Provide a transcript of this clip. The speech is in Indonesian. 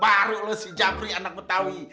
baru lo si jafri anak betawi